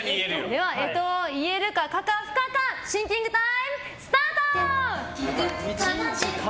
では干支を言えるか可か不可かシンキングタイム、スタート！